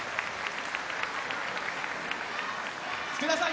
福田さん